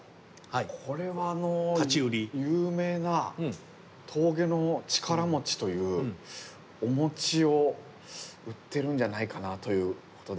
これは有名な「峠の力餅」というお餅を売ってるんじゃないかなということで「Ａ」にしました。